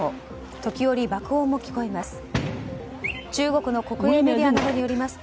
時折、爆音も聞こえます。